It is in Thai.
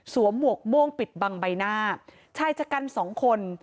หมวกม่วงปิดบังใบหน้าชายชะกันสองคน